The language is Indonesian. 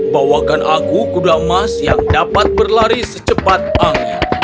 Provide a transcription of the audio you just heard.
bawakan aku gudang emas yang dapat berlari secepat angin